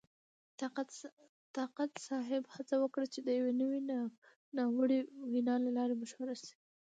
طاقت صاحب هڅه وکړه چې د یوې ناوړې وینا له لارې مشهور شي.